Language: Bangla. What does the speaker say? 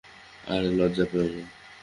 আরে, লজ্জা পেয়ো না!